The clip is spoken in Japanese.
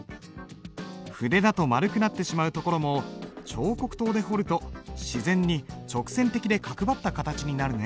筆だと丸くなってしまうところも彫刻刀で彫ると自然に直線的で角張った形になるね。